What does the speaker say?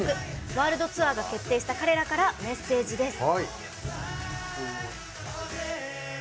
ワールドツアーが決定した彼らからメッセージです。